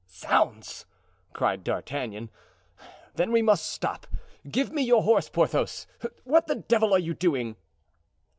"Zounds!" cried D'Artagnan, "then we must stop! Give me your horse, Porthos. What the devil are you doing?"